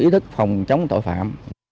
ý thức phòng chống tội phạm